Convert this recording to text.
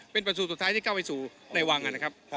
เป็นประสูจนสุดท้ายที่เข้าไปสู่ในวังนะครับ